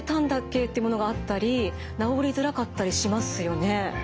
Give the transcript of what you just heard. ってものがあったり治りづらかったりしますよね。